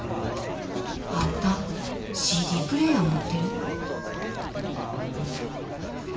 あんたＣＤプレーヤー持ってる？